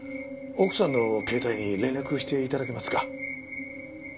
奥さんの携帯に連絡して頂けますか？